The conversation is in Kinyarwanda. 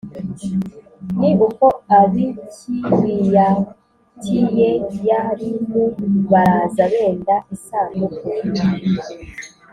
Ni uko ab’i Kiriyatiyeyarimu baraza benda isanduku